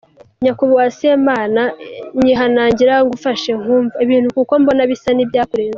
Nyakubahwa Semana, nyihanganira ngufashe kumva ibintu kuko mbona bisa n’ibyakurenze.